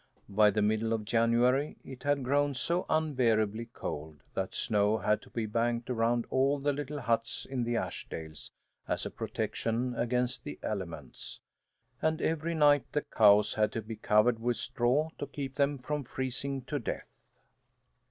By the middle of January it had grown so unbearably cold that snow had to be banked around all the little huts in the Ashdales as a protection against the elements, and every night the cows had to be covered with straw, to keep them from freezing to death.